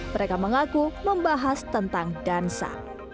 mereka mengaku membahas tentang dansa